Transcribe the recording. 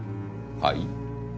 はい？